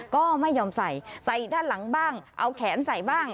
ก็ไม่ยอมใส่ใส่ด้านหลังบ้างเอาแขนใส่บ้าง